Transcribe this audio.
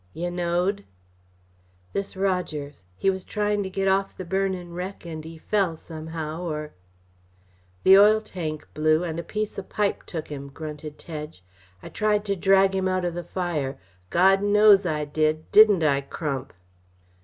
"Yeh knowed " "This Rogers, he was tryin' to get off the burnin' wreck and he fell, somehow or " "The oil tank blew, and a piece o' pipe took him," grunted Tedge. "I tried to drag him out o' the fire Gawd knows I did, didn't I, Crump?"